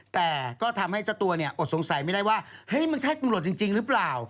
แต่ก็ทำให้เจ้าตัวเนี่ยอดสงสัยไม่ได้ว่าเฮ้ยมันใช่ตำรวจจริงหรือเปล่า